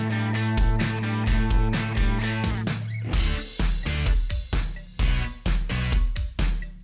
คุณผู้ชมก็หิวเหมือนกันนะครับ